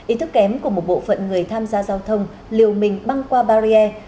ý thức kém của một bộ phận người tham gia giao thông liều mình băng qua barrier